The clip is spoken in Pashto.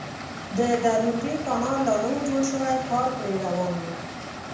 د درونټې کانال لا نه و جوړ شوی کار پرې روان و.